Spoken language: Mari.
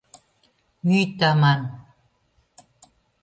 — Мӱй таман!